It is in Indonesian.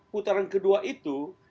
putaran kedua itu